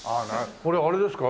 これあれですか？